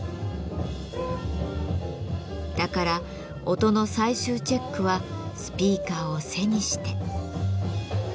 だから音の最終チェックはスピーカーを背にして。